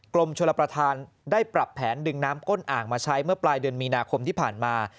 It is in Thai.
กรมชลประธานได้ปรับแผนดึงน้ำก้นอ่างมาใช้เมื่อปลายเดือนมีนาคมที่ผ่านมา